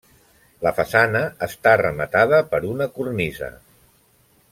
La façana està rematada per una cornisa.